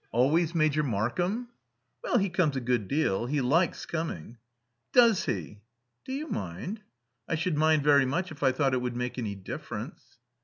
"Always Major Markham?" "Well, he comes a good deal. He likes coming." "Does he?" "Do you mind?" "I should mind very much if I thought it would make any difference."